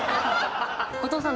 後藤さん